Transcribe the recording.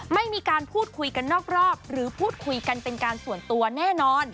ไม่มีการพูดคุยกันนอกรอบหรือพูดคุยกันเป็นการส่วนตัวแน่นอน